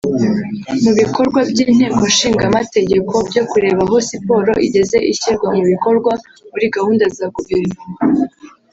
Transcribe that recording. Mu bikorwa by’inteko ishinga amategeko byo kureba aho siporo igeze ishyirwa mu bikorwa muri gahunda za guverinoma